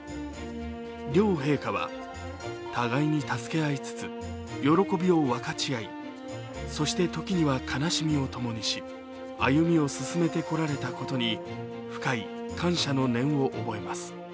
両陛下は互いに助け合いつつ喜びを分かち合い、そして時には悲しみをともにし歩みを進めてこられたことに深い感謝の念を覚えます。